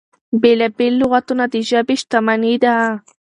بېلا بېل لغتونه د ژبې شتمني ده.